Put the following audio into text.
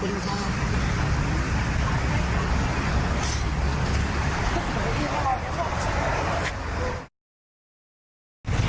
ต้องการตามคุณคราว